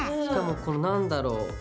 しかもこのなんだろう